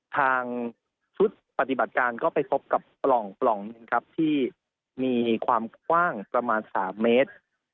ทางชุดปฏิบัติการก็ไปพบกับปล่องหนึ่งครับที่มีความกว้างประมาณ๓เมตร